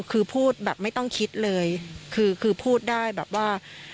คือพูดแบบไม่ต้องคิดเลยคือพูดได้แบบว่า